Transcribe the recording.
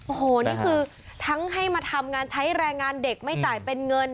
โอ้โหนี่คือทั้งให้มาทำงานใช้แรงงานเด็กไม่จ่ายเป็นเงิน